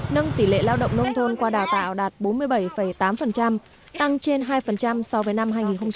nâng tỷ lệ lao động nông thôn qua đào tạo đạt bốn mươi bảy tám tăng trên hai so với năm hai nghìn một mươi